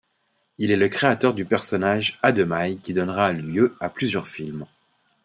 Il est le créateur du personnage Ademaï qui donnera lieu à plusieurs films.